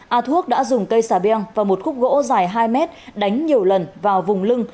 a thuốc đã dùng cây xà beng và một khúc gỗ dài hai mét đánh nhiều lần vào vùng lưng